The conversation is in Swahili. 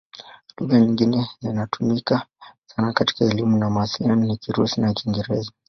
Lugha nyingine zinazotumika sana katika elimu na mawasiliano ni Kirusi na Kiingereza.